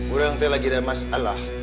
udah nanti lagi ada masalah